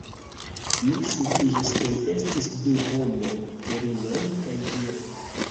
Mi sidiĝis kaj estis du homoj virinoj kaj viro